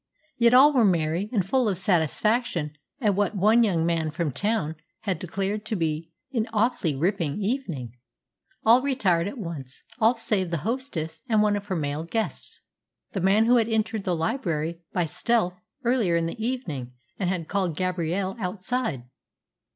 Yet all were merry and full of satisfaction at what one young man from town had declared to be "an awfully ripping evening." All retired at once all save the hostess and one of her male guests, the man who had entered the library by stealth earlier in the evening and had called Gabrielle outside.